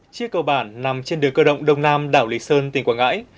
chiếc cầu bản nằm trên đường cơ động đông nam đảo lý sơn tỉnh quảng ngãi